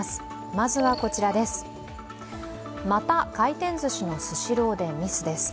また回転ずしのスシローでミスです。